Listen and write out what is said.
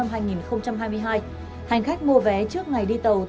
hành khách mua vé trước ngày đi tàu